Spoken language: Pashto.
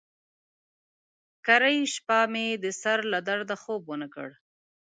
کرۍ شپه مې د سر له درده خوب ونه کړ.